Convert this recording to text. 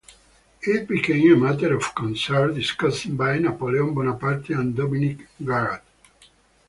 It became a matter of concern discussed by Napoleon Bonaparte and Dominique Garat.